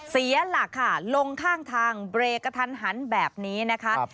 เสียหลักค่ะลงข้างทางเบรกกระทันหันแบบนี้นะคะ